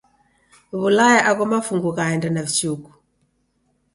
W'ulaya agho mafungu ghaenda na vichuku.